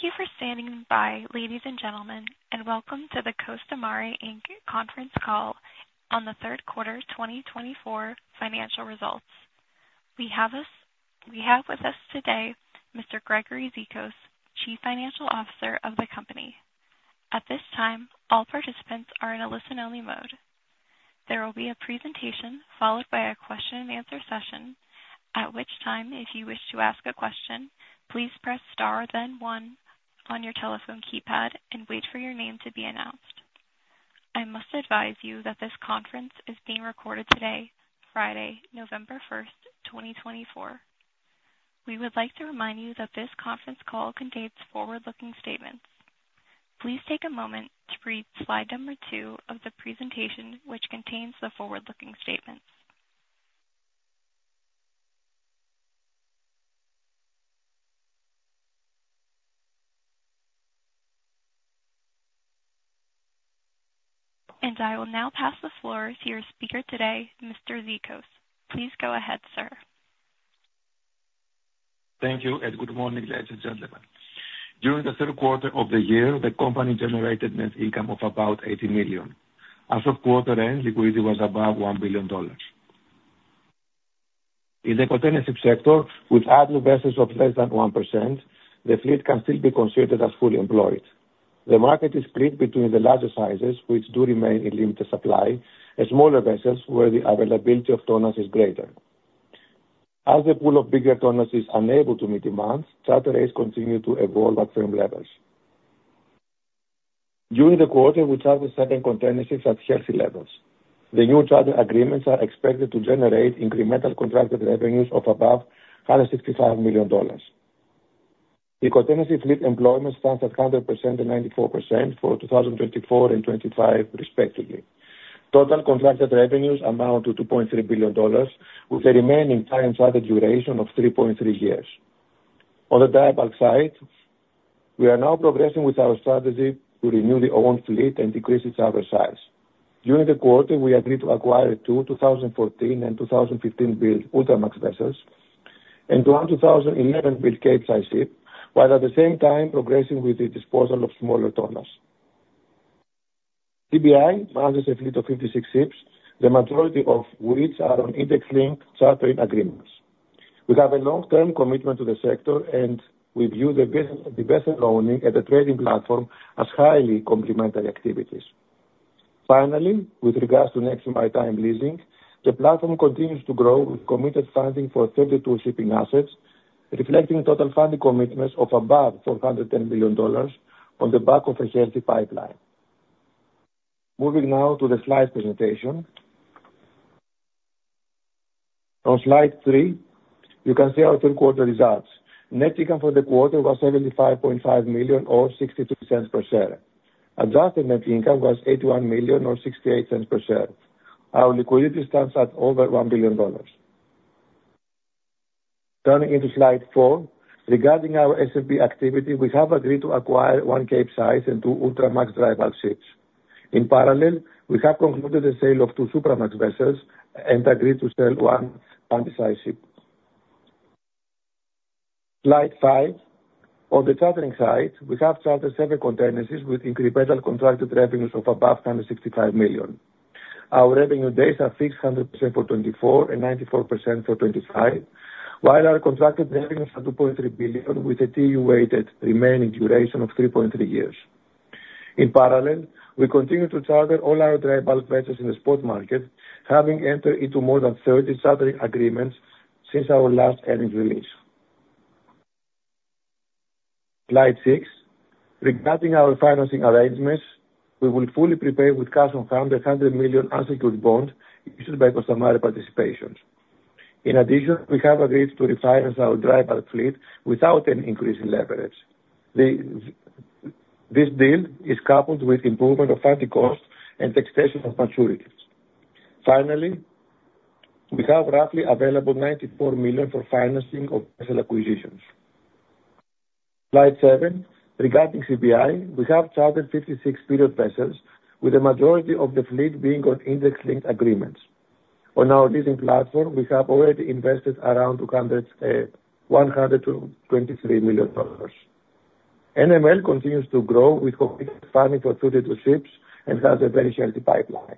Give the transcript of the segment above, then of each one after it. Thank you for standing by, ladies and gentlemen, and welcome to the Costamare Inc. conference call on the third quarter 2024 financial results. We have with us today Mr. Gregory Zikos, Chief Financial Officer of the company. At this time, all participants are in a listen-only mode. There will be a presentation followed by a question-and-answer session, at which time, if you wish to ask a question, please press star then one on your telephone keypad and wait for your name to be announced. I must advise you that this conference is being recorded today, Friday, November 1st, 2024. We would like to remind you that this conference call contains forward-looking statements. Please take a moment to read slide number two of the presentation, which contains the forward-looking statements. I will now pass the floor to your speaker today, Mr. Zikos. Please go ahead, sir. Thank you, and good morning, ladies and gentlemen. During the third quarter of the year, the company generated net income of about $80 million. As of quarter end, liquidity was above $1 billion. In the container ship sector, with idle vessels of less than 1%, the fleet can still be considered as fully employed. The market is split between the larger sizes, which do remain in limited supply, and smaller vessels where the availability of tonnage is greater. As the pool of bigger tonnage is unable to meet demand, charter rates continue to evolve at firm levels. During the quarter, we chartered seven container ships at healthy levels. The new charter agreements are expected to generate incremental contracted revenues of above $165 million. The container ship fleet employment stands at 100% and 94% for 2024 and 2025, respectively. Total contracted revenues amount to $2.3 billion, with the remaining time charter duration of 3.3 years. On the dry bulk side, we are now progressing with our strategy to renew the owned fleet and decrease its average age. During the quarter, we agreed to acquire two 2014- and 2015-built Ultramax vessels and one 2011-built Capesize ship, while at the same time progressing with the disposal of smaller tonnage. CBI manages a fleet of 56 ships, the majority of which are on index-linked chartering agreements. We have a long-term commitment to the sector, and we view the vessel owning at the trading platform as highly complementary activities. Finally, with regards to Neptune Maritime Leasing, the platform continues to grow with committed funding for 32 shipping assets, reflecting total funding commitments of above $410 million on the back of a healthy pipeline. Moving now to the slide presentation. On slide three, you can see our third quarter results. Net income for the quarter was $75.5 million, or $0.63 per share. Adjusted net income was $81 million, or $0.68 per share. Our liquidity stands at over $1 billion. Turning to slide four, regarding our CBI activity, we have agreed to acquire one Capesize and two Ultramax dry bulk ships. In parallel, we have concluded the sale of two Supramax vessels and agreed to sell one Handysize ship. Slide five. On the chartering side, we have chartered seven container ships with incremental contracted revenues of above $165 million. Our revenue days are fixed 100% for 2024 and 94% for 2025, while our contracted revenues are $2.3 billion, with a TEU-weighted remaining duration of 3.3 years. In parallel, we continue to charter all our dry bulk vessels in the spot market, having entered into more than 30 chartering agreements since our last earnings release. Slide six. Regarding our financing arrangements, we will fully repay with cash our €100 million unsecured bond issued by Costamare Participations. In addition, we have agreed to refinance our dry bulk fleet without any increase in leverage. This deal is coupled with improvement of funding costs and extension of maturities. Finally, we have roughly available $94 million for financing of vessel acquisitions. Slide seven. Regarding CBI, we have chartered 56 period vessels, with the majority of the fleet being on index-linked agreements. On our leasing platform, we have already invested around $123 million. NML continues to grow with committed funding for 32 ships and has a very healthy pipeline.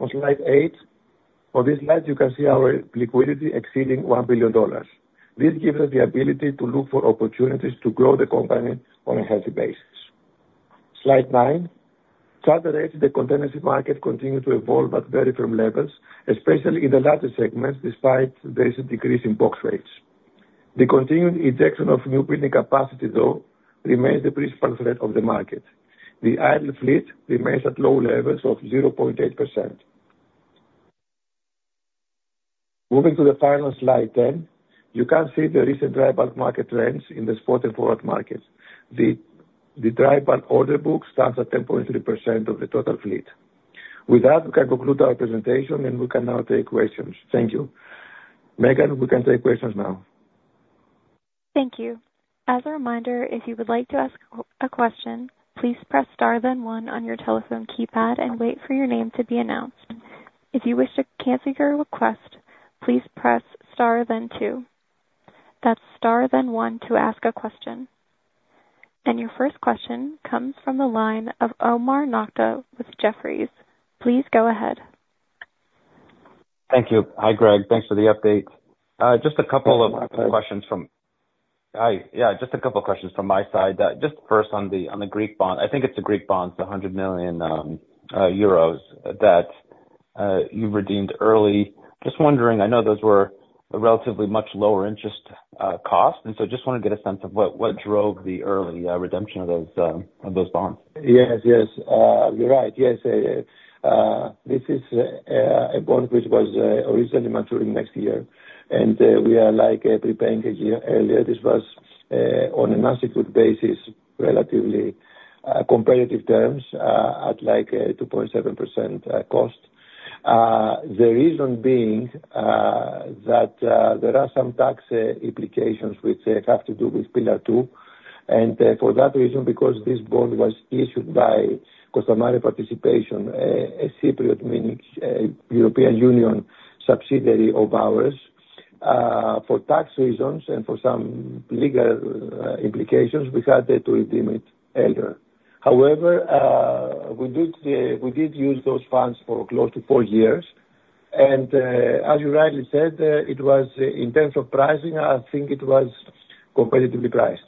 On slide eight, on this slide, you can see our liquidity exceeding $1 billion. This gives us the ability to look for opportunities to grow the company on a healthy basis. Slide nine. Charter rates in the container ship market continue to evolve at very firm levels, especially in the larger segments, despite there is a decrease in box rates. The continued injection of newbuilding capacity, though, remains the principal threat of the market. The idle fleet remains at low levels of 0.8%. Moving to the final slide 10, you can see the recent dry bulk market trends in the spot and forward markets. The dry bulk order book stands at 10.3% of the total fleet. With that, we can conclude our presentation, and we can now take questions. Thank you. Megan, we can take questions now. Thank you. As a reminder, if you would like to ask a question, please press star then one on your telephone keypad and wait for your name to be announced. If you wish to cancel your request, please press star then two. That's star then one to ask a question. And your first question comes from the line of Omar Nokta with Jefferies. Please go ahead. Thank you. Hi, Greg. Thanks for the update. Just a couple of questions from. Hi, Omar Nokta. Hi. Yeah, just a couple of questions from my side. Just first on the Greek bond. I think it's the Greek bonds, the 100 million euros that you redeemed early. Just wondering, I know those were a relatively much lower interest cost, and so just want to get a sense of what drove the early redemption of those bonds. Yes, yes. You're right. Yes. This is a bond which was originally maturing next year, and we are preparing a year earlier. This was on an unsecured basis, relatively competitive terms at like 2.7% cost. The reason being that there are some tax implications which have to do with Pillar Two. And for that reason, because this bond was issued by Costamare Participations, a Cypriot, meaning European Union subsidiary of ours, for tax reasons and for some legal implications, we had to redeem it earlier. However, we did use those funds for close to four years. And as you rightly said, it was in terms of pricing, I think it was competitively priced.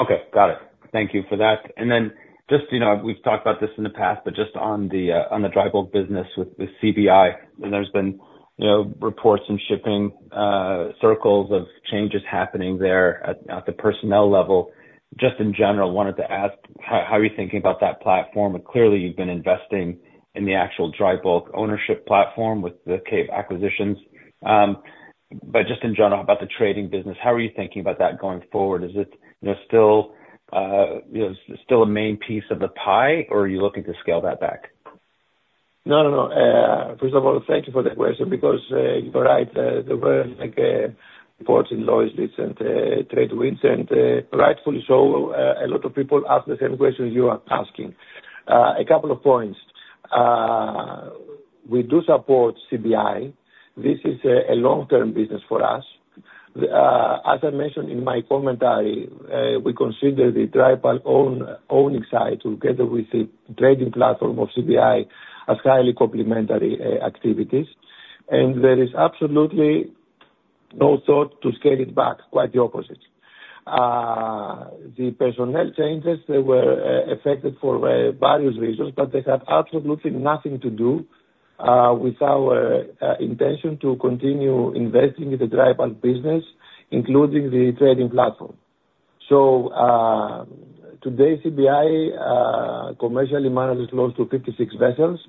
Okay. Got it. Thank you for that. And then just we've talked about this in the past, but just on the dry bulk business with CBI, there's been reports and shipping circles of changes happening there at the personnel level. Just in general, wanted to ask, how are you thinking about that platform? Clearly, you've been investing in the actual dry bulk ownership platform with the Capesize acquisitions. But just in general, about the trading business, how are you thinking about that going forward? Is it still a main piece of the pie, or are you looking to scale that back? No, no, no. First of all, thank you for the question because you're right. There were important volatilities and TradeWinds, and rightfully so, a lot of people ask the same question you are asking. A couple of points. We do support CBI. This is a long-term business for us. As I mentioned in my commentary, we consider the dry bulk owning side together with the trading platform of CBI as highly complementary activities. And there is absolutely no thought to scale it back, quite the opposite. The personnel changes, they were affected for various reasons, but they have absolutely nothing to do with our intention to continue investing in the dry bulk business, including the trading platform. So today, CBI commercially manages close to 56 vessels,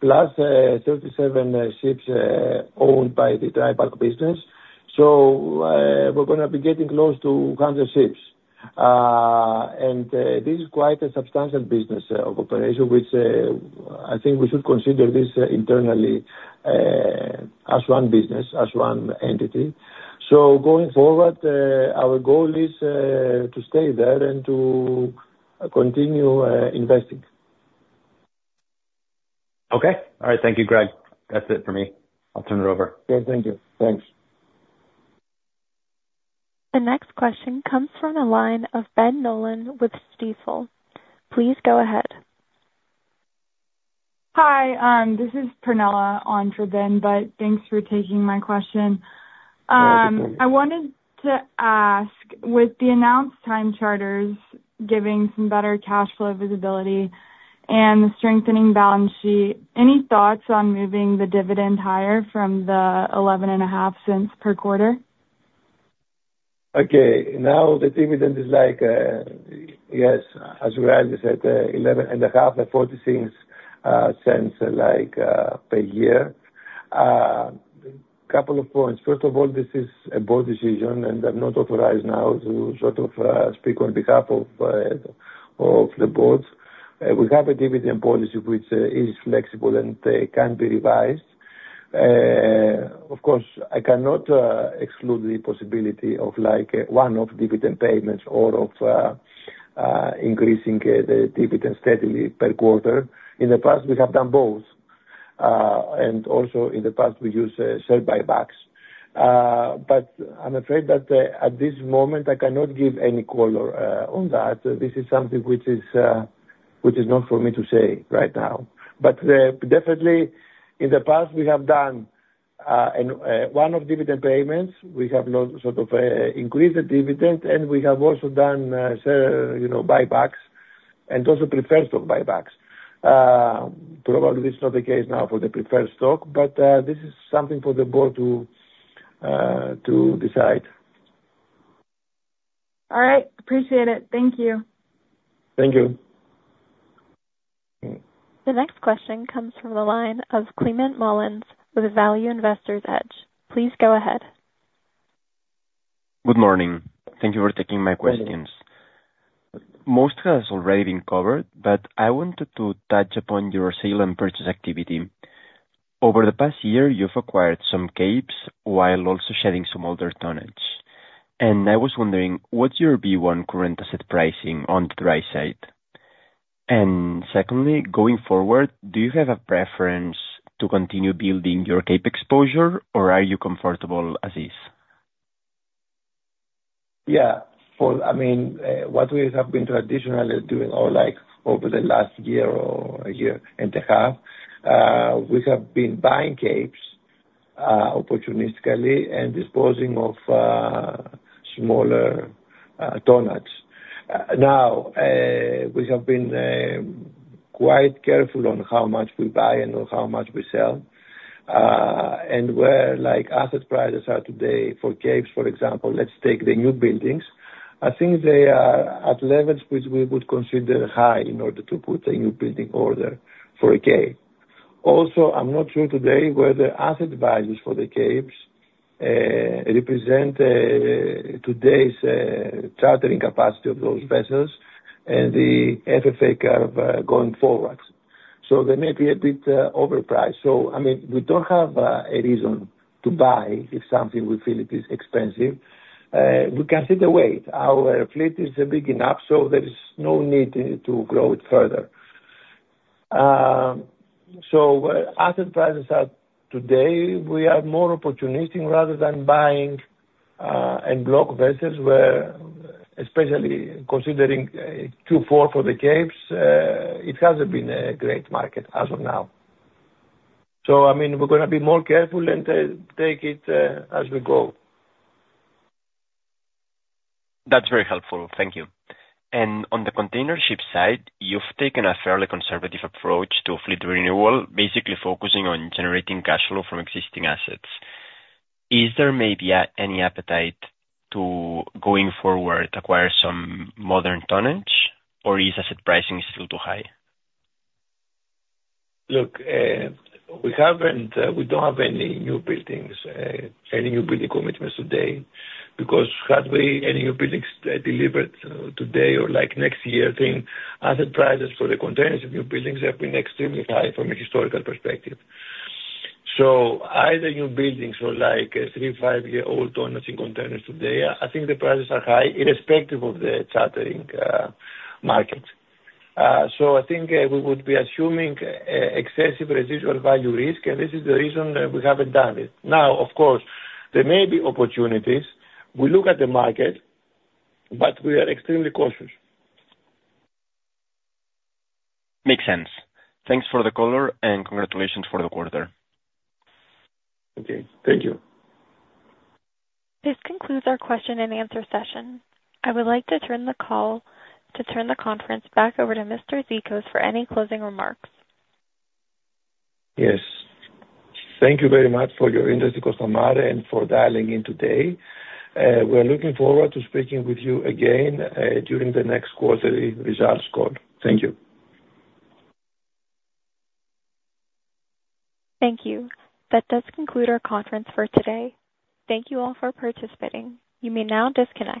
plus 37 ships owned by the dry bulk business. So we're going to be getting close to 100 ships. This is quite a substantial business operation, which I think we should consider this internally as one business, as one entity. Going forward, our goal is to stay there and to continue investing. Okay. All right. Thank you, Greg. That's it for me. I'll turn it over. Okay. Thank you. Thanks. The next question comes from the line of Ben Nolan with Stifel. Please go ahead. Hi. This is Pernille on for Ben, but thanks for taking my question. I wanted to ask, with the announced time charters giving some better cash flow visibility and the strengthening balance sheet, any thoughts on moving the dividend higher from the $0.115 per quarter? Okay. Now, the dividend is like, yes, as you rightly said, $0.115 and $0.46 per year. A couple of points. First of all, this is a board decision, and I'm not authorized now to sort of speak on behalf of the board. We have a dividend policy which is flexible and can be revised. Of course, I cannot exclude the possibility of one-off dividend payments or of increasing the dividend steadily per quarter. In the past, we have done both. And also, in the past, we used share buybacks. But I'm afraid that at this moment, I cannot give any color on that. This is something which is not for me to say right now. But definitely, in the past, we have done one-off dividend payments. We have sort of increased the dividend, and we have also done share buybacks and also preferred stock buybacks. Probably it's not the case now for the preferred stock, but this is something for the board to decide. All right. Appreciate it. Thank you. Thank you. The next question comes from the line of Climent Molins with Value Investor's Edge. Please go ahead. Good morning. Thank you for taking my questions. Most has already been covered, but I wanted to touch upon your sale and purchase activity. Over the past year, you've acquired some Capes while also shedding some older tonnage. And I was wondering, what's your view on current asset pricing on the dry side? And secondly, going forward, do you have a preference to continue building your Cape exposure, or are you comfortable as is? Yeah. Well, I mean, what we have been traditionally doing over the last year or a year and a half, we have been buying Capes opportunistically and disposing of smaller tonnage. Now, we have been quite careful on how much we buy and on how much we sell. And where asset prices are today for Capes, for example, let's take the newbuildings. I think they are at levels which we would consider high in order to put a newbuilding order for a Cape. Also, I'm not sure today whether asset values for the Capes represent today's chartering capacity of those vessels and the FFA curve going forward. So they may be a bit overpriced. So, I mean, we don't have a reason to buy if something we feel it is expensive. We can wait. Our fleet is big enough, so there is no need to grow it further, so where asset prices are today, we are more opportunistic rather than buying en bloc vessels, where especially considering Q4 for the Capes, it hasn't been a great market as of now, so, I mean, we're going to be more careful and take it as we go. That's very helpful. Thank you. And on the container ship side, you've taken a fairly conservative approach to fleet renewal, basically focusing on generating cash flow from existing assets. Is there maybe any appetite to going forward acquire some modern tonnage, or is asset pricing still too high? Look, we don't have any newbuildings, any newbuilding commitments today, because had we any newbuildings delivered today or next year, then asset prices for the containers and newbuildings have been extremely high from a historical perspective. So either newbuildings or like three, five-year-old tonnage in containers today, I think the prices are high irrespective of the chartering market. So I think we would be assuming excessive residual value risk, and this is the reason we haven't done it. Now, of course, there may be opportunities. We look at the market, but we are extremely cautious. Makes sense. Thanks for the color and congratulations for the quarter. Okay. Thank you. This concludes our question and answer session. I would like to turn the conference back over to Mr. Zikos for any closing remarks. Yes. Thank you very much for your interest in Costamare and for dialing in today. We are looking forward to speaking with you again during the next quarterly results call. Thank you. Thank you. That does conclude our conference for today. Thank you all for participating. You may now disconnect.